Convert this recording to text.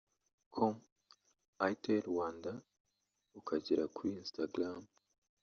com/itelrwanda/ ukagera kuri instagram